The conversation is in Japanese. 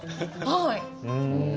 はい。